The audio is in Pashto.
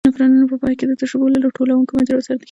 نفرونونه په پای کې د تشو بولو له ټولوونکو مجراوو سره نښتي دي.